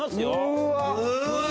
うわ！